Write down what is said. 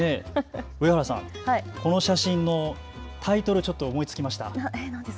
上原さん、この写真のタイトル、思いつきました。